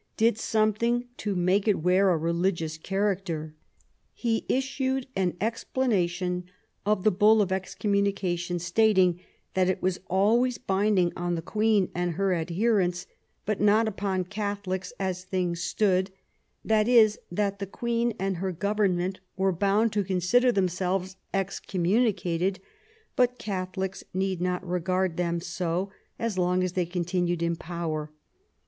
did something to make it wear a religious character. 196 QUEEN ELIZABETH, He issued an explanation of the Bull of excom munication, stating that it was always binding on the Queen and her adherents, but not upon Catholics as things stood; that is, that the Queen and her Government were bound to consider themselves ex communicated, but Catholics need not regard them so as long as they continued in power.